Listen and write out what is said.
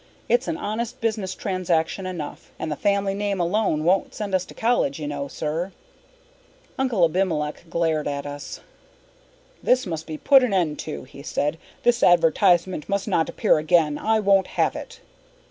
It's an honest business transaction enough and the family name alone won't send us to college, you know, sir." Uncle Abimelech glared at us. "This must be put an end to," he said. "This advertisement must not appear again. I won't have it!"